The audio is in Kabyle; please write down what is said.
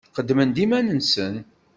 Qeddmen-d iman-nsen.